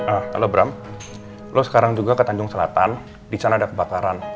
ah kalau bram lo sekarang juga ke tanjung selatan di sana ada kebakaran